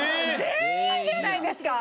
全員じゃないですか！